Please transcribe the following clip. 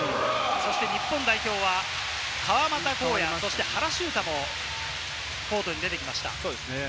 日本代表は川真田紘也、原修太もコートに出てきました。